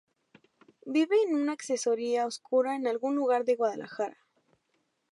Vive en una accesoria oscura en algún lugar de Guadalajara.